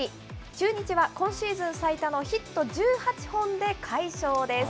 中日は今シーズン最多のヒット１８本で快勝です。